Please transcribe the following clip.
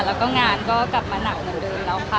แล้วก็งานก็กลับมาหนาวเหมือนเดิมแล้วค่ะ